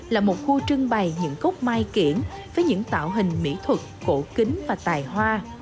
là một khu trưng bày những cốt mai kiển với những tạo hình mỹ thuật cổ kính và tài hoa